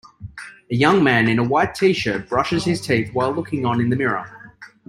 A young man in a white tshirt brushes his teeth while looking on in the mirror.